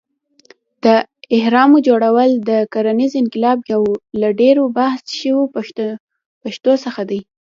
د اهرامو جوړول د کرنیز انقلاب یو له ډېرو بحث شوو پېښو څخه دی.